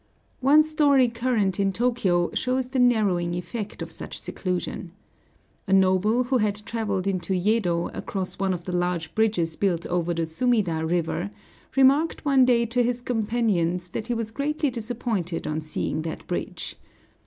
One story current in Tōkyō shows the narrowing effect of such seclusion. A noble who had traveled into Yedo, across one of the large bridges built over the Sumida River, remarked one day to his companions that he was greatly disappointed on seeing that bridge.